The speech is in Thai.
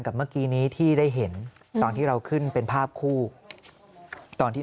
เมื่อกี้นี้ที่ได้เห็นตอนที่เราขึ้นเป็นภาพคู่ตอนที่